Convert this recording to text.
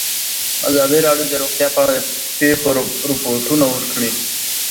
ازادي راډیو د روغتیا په اړه د پېښو رپوټونه ورکړي.